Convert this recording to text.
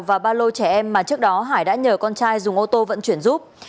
và ba lô trẻ em mà trước đó hải đã nhờ con trai dùng ô tô vận chuyển giúp